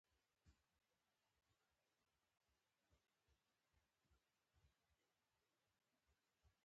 په دې ډول غذایي مواد حجرې ته داخلیږي.